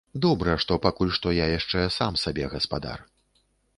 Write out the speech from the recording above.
Добра, што пакуль што я яшчэ сам сабе гаспадар.